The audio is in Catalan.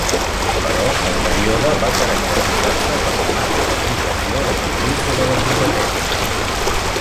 Però el període va caracteritzar-se per la manca d'aplicació de les lleis sobre la competència.